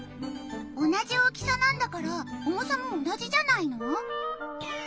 同じ大きさなんだから重さも同じじゃないの？